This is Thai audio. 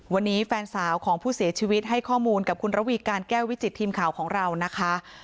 วันนี้แฟนสาวของผู้เสียชีวิตให้ข้อมูลกับคุณระวีการแก้ววิจิตทีมข่าวของเรานะคะ